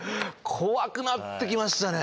怖くなって来ましたね。